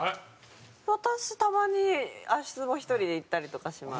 私たまに足つぼ１人で行ったりとかします。